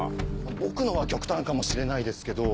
僕のは極端かもしれないですけど。